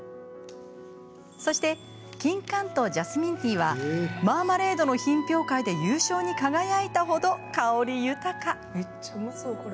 そして、キンカンとジャスミンティーはマーマレードの品評会で優勝に輝いたほど香り豊か。